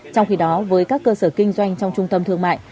trong khi đó với các cơ sở kinh doanh trong trung tâm thương mại